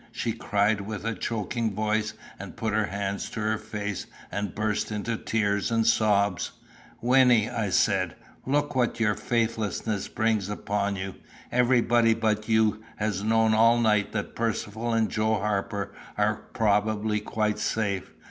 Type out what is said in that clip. she cried with a choking voice, and put her hands to her face and burst into tears and sobs. "Wynnie," I said, "look what your faithlessness brings upon you. Everybody but you has known all night that Percivale and Joe Harper are probably quite safe.